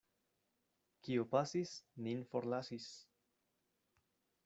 Kio pasis, nin forlasis.